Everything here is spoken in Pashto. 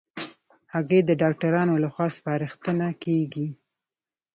هګۍ د ډاکټرانو له خوا سپارښتنه کېږي.